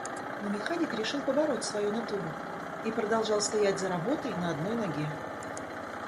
Но механик решил побороть свою натуру и продолжал стоять за работой на одной ноге.